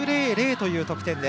という得点。